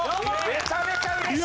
めちゃめちゃ嬉しい！